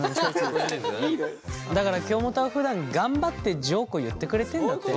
だから京本はふだん頑張ってジョークを言ってくれてんだって。